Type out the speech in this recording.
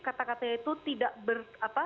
kata kata itu tidak berapa